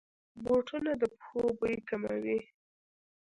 بوټونه د پښو بوی کموي.